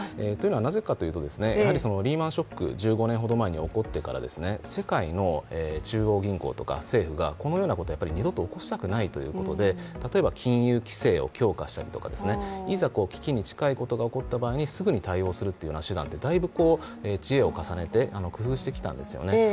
なぜかというと、リーマン・ショック、１５年前ほど前に起こってから世界の中央銀行とか政府がこのようなことは二度と起こしたくないということで例えば金融規制を強化したりとか、いざ危機に近いことが起こった場合に、すぐに対応する手段というのがだいぶ知恵を重ねて工夫してきたんですよね。